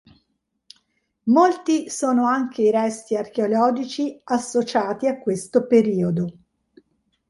Molti sono anche i resti archeologici associati a questo periodo.